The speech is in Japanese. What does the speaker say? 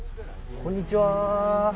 こんにちは。